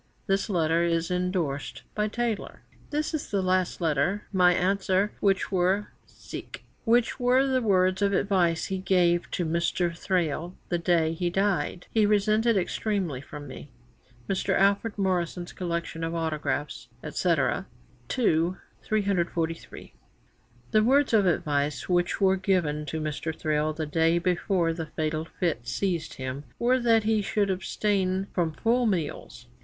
This letter is endorsed by Taylor: "This is the last letter. My answer, which were the words of advice he gave to Mr. Thrale the day he dyed, he resented extremely from me."' Mr. Alfred Morrison's Collection of Autographs, &c., ii. 343. 'The words of advice' which were given to Mr. Thrale the day before the fatal fit seized him, were that he should abstain from full meals.